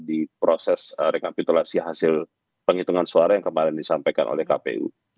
di proses rekapitulasi hasil penghitungan suara yang kemarin disampaikan oleh kpu